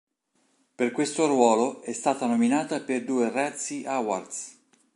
Per questo ruolo, è stata nominata per due Razzie Awards.